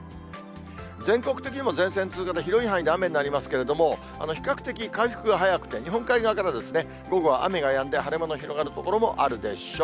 全国的にも前線通過で広い範囲で雨になりますけれども、比較的回復が早くて、日本海側から午後は雨がやんで、晴れ間の広がる所もあるでしょう。